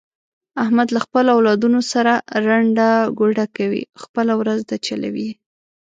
احمد له خپلو اولادونو سره ړنده ګوډه کوي، خپله ورځ ده چلوي یې.